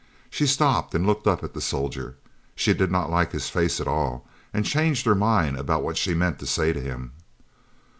She stopped and looked up at the soldier. She did not like his face at all, and changed her mind about what she meant to say to him.